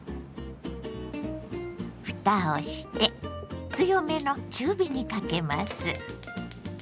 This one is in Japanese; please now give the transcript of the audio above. ふたをして強めの中火にかけます。